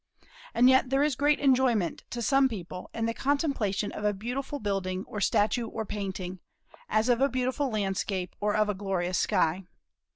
And yet there is great enjoyment, to some people, in the contemplation of a beautiful building or statue or painting, as of a beautiful landscape or of a glorious sky.